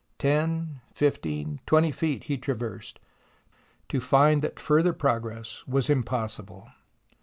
Ten, fifteen, twenty feet he traversed, to find that further progress was im possible.